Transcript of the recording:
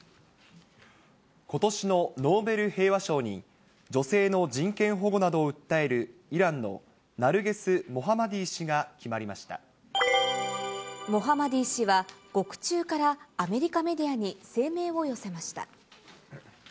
ことしのノーベル平和賞に、女性の人権保護などを訴えるイランのナルゲス・モハマディ氏が決モハマディ氏は、獄中からアメリカメディアに声明を寄せました。